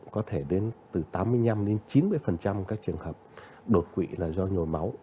có thể đến từ tám mươi năm đến chín mươi các trường hợp đột quỵ là do nhồi máu